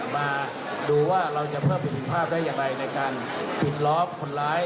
มาดูว่าเราจะเพิ่มประสิทธิภาพได้อย่างไรในการปิดล้อมคนร้าย